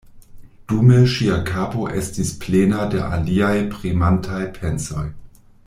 Dume ŝia kapo estis plena de aliaj premantaj pensoj.